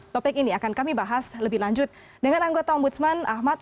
topik ini akan kami bahas lebih lanjut dengan anggota om budsman ahmad amruz